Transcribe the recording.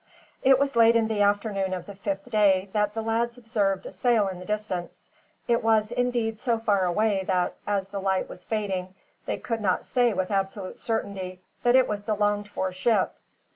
It was late in the afternoon of the fifth day that the lads observed a sail in the distance. It was indeed so far away that, as the light was fading, they could not say with absolute certainty that it was the longed for ship.